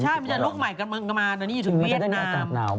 ใช่มันเป็นลูกใหม่กันแต่นี่อยู่ถึงเวียดนาม